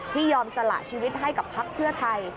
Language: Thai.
ยอมสละชีวิตให้กับพักเพื่อไทย